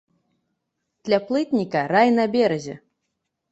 Для плытніка рай на беразе.